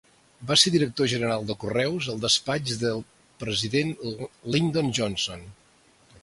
Va ser director general de Correus al despatx del president Lyndon Johnson.